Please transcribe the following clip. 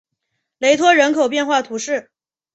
雷托人口变化图示